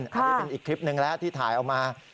อันนี้เป็นอีกคลิปหนึ่งแล้วที่ถ่ายออกมา